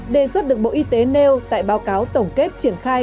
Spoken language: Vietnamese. đề xuất được bộ y tế nêu tại báo cáo tổng kết triển khai